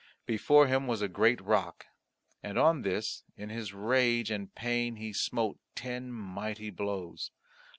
Before him was a great rock and on this in his rage and pain he smote ten mighty blows.